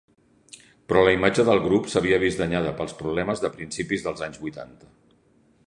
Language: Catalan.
Però la imatge del grup s'havia vist danyada pels problemes de principis dels anys vuitanta.